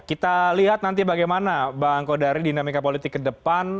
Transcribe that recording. kita lihat nanti bagaimana bang kodari dinamika politik ke depan